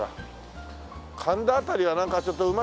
神田辺りはなんかちょっとうまそうな店多いね。